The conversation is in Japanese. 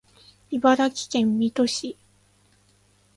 茨城県水戸市